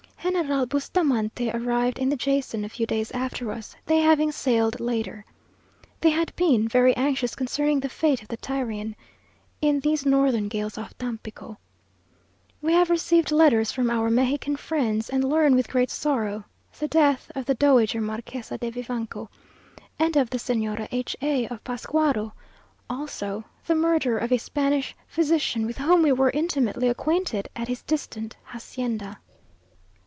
General Bustamante arrived in the Jason, a few days after us, they having sailed later. They had been very anxious concerning the fate of the Tyrian, in these northern gales off Tampico. We have received letters from our Mexican friends, and learn, with great sorrow, the death of the Dowager Marquesa de Vivanco, and of the Señora H a of Pascuaro also the murder of a Spanish physician, with whom we were intimately acquainted, at his distant hacienda.